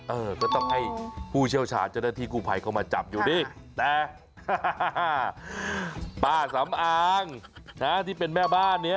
เออก็ต้องให้ผู้เชี่ยวชาญเจ้าหน้าที่กู้ภัยเข้ามาจับอยู่นี่แต่ป้าสำอางนะที่เป็นแม่บ้านเนี่ย